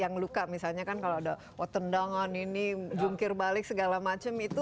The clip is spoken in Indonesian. yang luka misalnya kan kalau ada wotendangan ini jungkir balik segala macem itu